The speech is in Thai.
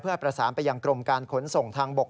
เพื่อประสานไปยังกรมการขนส่งทางบก